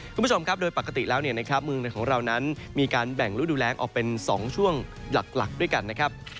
คุณผู้ชมครับโดยปกติแล้วเนี่ยนะครับเมืองในของเรานั้นมีการแบ่งรูดูแรงออกเป็น๒ช่วงหลักด้วยกันนะครับ